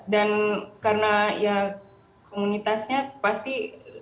dan karena ya komunitasnya pasti